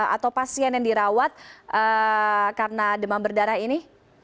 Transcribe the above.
atau pasien yang dirawat karena demam berdarah ini